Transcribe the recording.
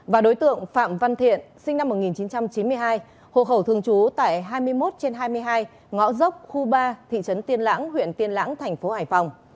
và đối tượng phạm văn thiện sinh năm một nghìn chín trăm chín mươi hai hộ khẩu thường trú tại hai mươi một trên hai mươi hai ngõ dốc khu ba thị trấn tiên lãng huyện tiên lãng thành phố hải phòng